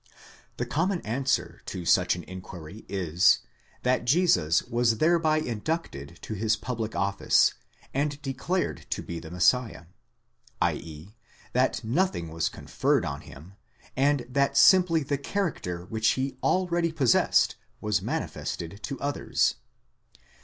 The common answer to such an inquiry is, that Jesus was thereby inducted to his public office, and declared to be the Messiah,! 2.6. that nothing was conferred on him, and that simply the character which he already possessed was manifested to others.